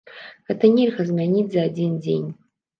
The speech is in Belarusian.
Гэта нельга змяніць за адзін дзень.